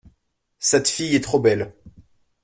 Cette fille est trop belle.